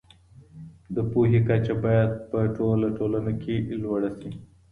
د پوهي کچه بايد په ټوله ټولنه کي لوړه سي.